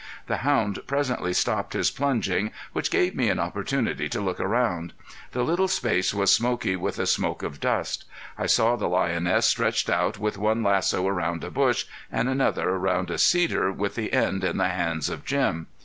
The hound presently stopped his plunging which gave me an opportunity to look about. The little space was smoky with a smoke of dust. I saw the lioness stretched out with one lasso around a bush and another around a cedar with the end in the hands of Jim.